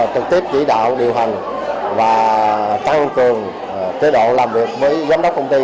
trực tiếp chỉ đạo điều hành và tăng cường kế đoạn làm việc với giám đốc công ty